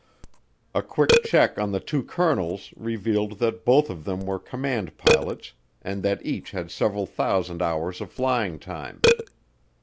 A quick check on the two colonels revealed that both of them were command pilots and that each had several thousand hours of flying time.